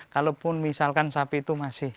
kalaupun misalkan sapi itu masih